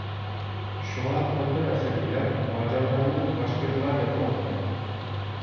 شۇڭا ئوتتۇرا ئەسىردىكىلەر ماجارلارنى باشقىرتلار دەپمۇ ئاتىغان.